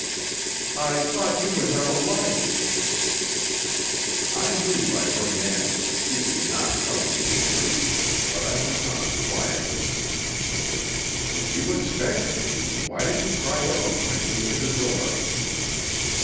"I thought you would have a light." I knew by her manner that she was not telling me the truth, but I went on quietly: "If you expected me, why did you cry out when I came to the door?"